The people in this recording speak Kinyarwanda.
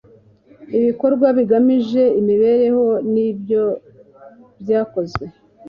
ibikorwa bigamije imibereho nibyobyakozwe.